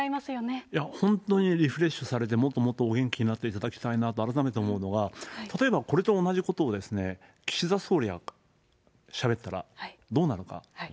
本当にリフレッシュされて、もっともっとお元気になっていただきたいなと、改めて思うのは、例えばこれと同じことを、岸田総理がしゃべったらどうなるか。